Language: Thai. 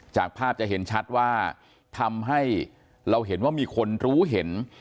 จากภาพจะเห็นชัดว่าทำให้เราเห็นว่ามีคนรู้เห็น